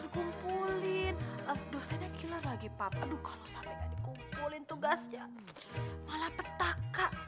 dikumpulin dosennya gila lagi papa aduh kalau sampai gak dikumpulin tugasnya malah petaka